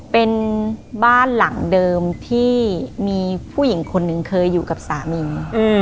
เป็นบ้านหลังเดิมที่มีผู้หญิงคนหนึ่งเคยอยู่กับสามี